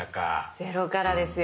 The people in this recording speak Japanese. ゼロからですよ。